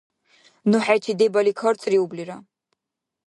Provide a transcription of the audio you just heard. Ну хӀечи дебали карцӀриублира!